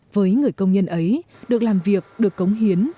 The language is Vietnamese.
với người công nhân ấy được làm việc được cống hiến